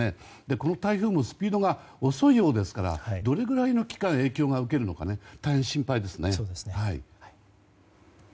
この台風もスピードが遅いようですからどれぐらいの期間影響を受けるのか大変心配です。